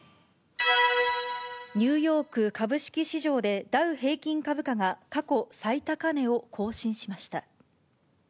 ニューヨーク株式市場で、ダウ平均株価が過去最高値を更新しました。